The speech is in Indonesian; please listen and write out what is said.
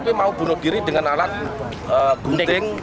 tapi mau bunuh diri dengan alat gunting